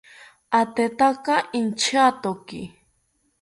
Atetaka intyatoki